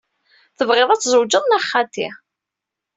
Tebɣiḍ ad tzewǧeḍ neɣ xaṭi?